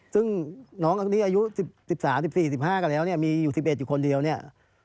ซึ่งน้องอันนี้อายุ๑๓๑๔๑๕กันแล้วเนี่ยมีอยู่๑๑อยู่คนเดียวเนี่ย